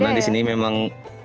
karena di sini memang